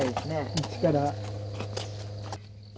一から。